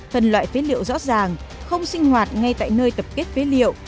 phân loại phế liệu rõ ràng không sinh hoạt ngay tại nơi tập kết phế liệu